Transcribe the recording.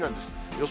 予想